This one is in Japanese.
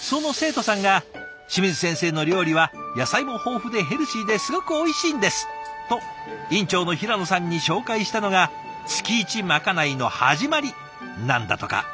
その生徒さんが「清水先生の料理は野菜も豊富でヘルシーですごくおいしいんです！」と院長の平野さんに紹介したのが月イチまかないの始まりなんだとか。